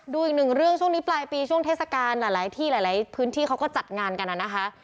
ดูอีกหนึ่งเรื่องช่วงนี้ปลายปีช่วงเทศกาลหลายที่หลายพื้นที่เขาก็จัดงานกันนะคะ